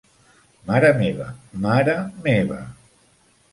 Mare meva, mare meva.